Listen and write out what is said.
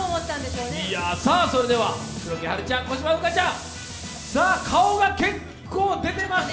それでは黒木華ちゃん、小芝風花ちゃん、顔が結構出てます。